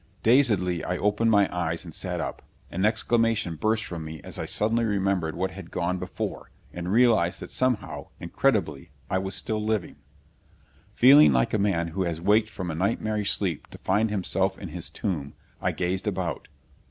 Dazedly I opened my eyes and sat up. An exclamation burst from me as I suddenly remembered what had gone before, and realized that somehow, incredibly, I was still living. Feeling like a man who has waked from a nightmarish sleep to find himself in his tomb, I gazed about.